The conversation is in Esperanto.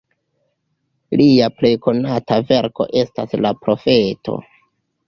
Lia plej konata verko estas "La profeto".